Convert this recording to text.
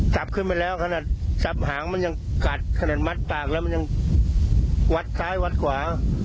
ขึ้นไปแล้วขนาดสับหางมันยังกัดขนาดมัดปากแล้วมันยังวัดซ้ายวัดขวา